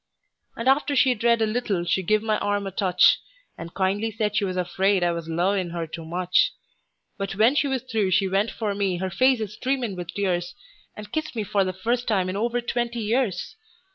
And after she'd read a little she give my arm a touch, And kindly said she was afraid I was 'lowin' her too much; But when she was through she went for me, her face a streamin' with tears, And kissed me for the first time in over twenty years!